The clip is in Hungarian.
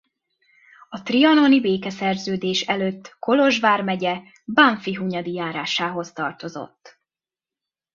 A trianoni békeszerződés előtt Kolozs vármegye Bánffyhunyadi járásához tartozott.